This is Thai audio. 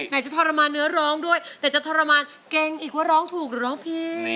จะทรมานเนื้อร้องด้วยไหนจะทรมานเก่งอีกว่าร้องถูกร้องผิด